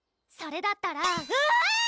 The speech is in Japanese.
それだったらあぁ！